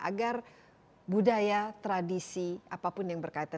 agar budaya tradisi apapun yang berkaitan